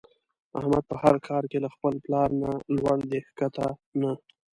احمد په هر کار کې له خپل پلار نه لوړ دی ښکته نه.